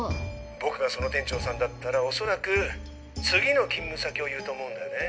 僕がその店長さんだったらおそらく次の勤務先を言うと思うんだよね。